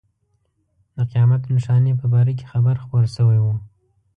د قیامت نښانې په باره کې خبر خپور شوی و.